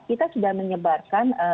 kita sudah menyebarkan